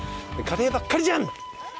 カレーばっかりじゃん！！